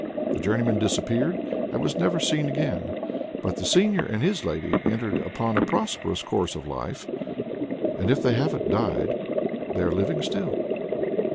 The journeyman disappeared, and was never seen again. But the seigneur and his lady entered upon a prosperous course of life, and if they haven't died, they're living still.